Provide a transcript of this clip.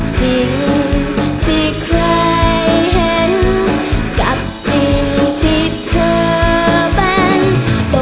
สิ่งที่ใครเห็นกับสิ่งที่เธอเป็นบ่